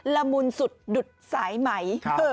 ละมุนสุดดุดสายไหม